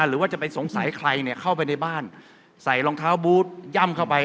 หรือว่าจะไปสงสัยใครเนี่ยเข้าไปในบ้านใส่รองเท้าบูธย่ำเข้าไป